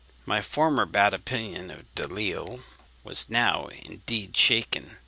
My former bad opinion of Delisle was now indeed shaken.